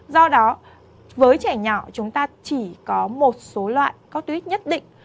do đó với trẻ nhỏ chúng ta chỉ có một số loại cottic nhất định